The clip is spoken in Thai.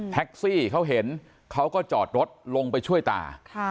แท็กซี่เขาเห็นเขาก็จอดรถลงไปช่วยตา